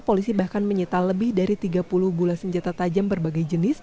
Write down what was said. polisi bahkan menyita lebih dari tiga puluh gula senjata tajam berbagai jenis